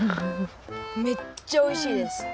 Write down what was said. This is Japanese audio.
めっちゃおいしいです！